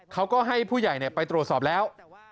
เขาก็ให้ผู้ใหญ่ไปตรวจสอบแล้ว